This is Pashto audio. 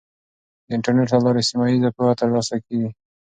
د انټرنیټ له لارې سیمه ییزه پوهه ترلاسه کیږي.